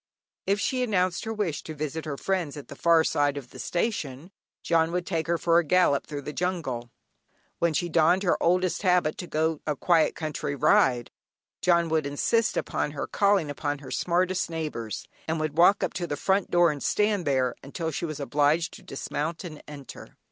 If she announced her wish to visit her friends at the far side of the station, "John" would take her for a gallop through the jungle; when she donned her oldest habit to go a quiet country ride "John" would insist upon her calling upon her smartest neighbours, and would walk up to the front door and stand there until she was obliged to dismount and enter.